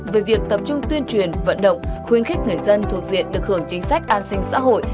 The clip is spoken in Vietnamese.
về việc tập trung tuyên truyền vận động khuyến khích người dân thuộc diện được hưởng chính sách an sinh xã hội